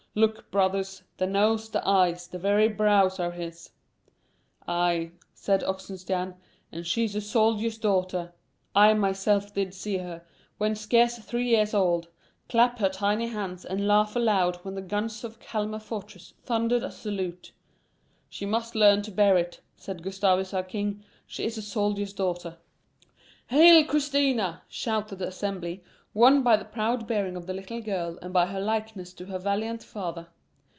"Look, brothers, the nose, the eyes, the very brows are his." "Aye," said Oxenstiern; "and she is a soldier's daughter. I myself did see her, when scarce three years old, clap her tiny hands and laugh aloud when the guns of Calmar fortress thundered a salute. 'She must learn to bear it,' said Gustavus our king; 'she is a soldier's daughter.'" "Hail, Christina!" shouted the assembly, won by the proud bearing of the little girl and by her likeness to her valiant father.